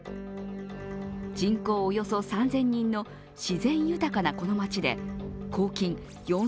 人口およそ３０００人の自然豊かなこの町で公金